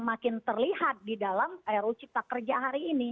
makin terlihat di dalam ru cipta kerja hari ini